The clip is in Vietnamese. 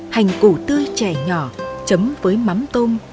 hành củ tươi trẻ nhỏ chấm với mắm tôm